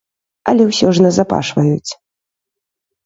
Але ўсё ж назапашваюць.